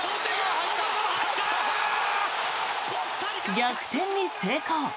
逆転に成功。